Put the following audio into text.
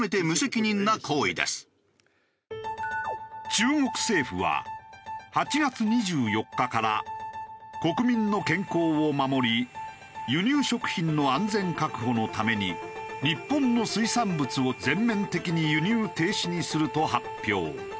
中国政府は８月２４日から国民の健康を守り輸入食品の安全確保のために日本の水産物を全面的に輸入停止にすると発表。